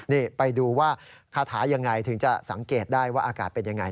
นี่ไปดูว่าคาถายังไงถึงจะสังเกตได้ว่าอากาศเป็นยังไง